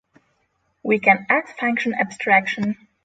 we can add function abstraction